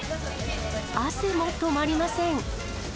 汗も止まりません。